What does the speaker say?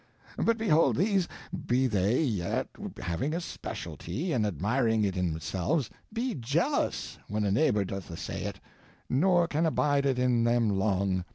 But behold, these be they yt, having a specialty, and admiring it in themselves, be jealous when a neighbor doth essaye it, nor can abide it in them long.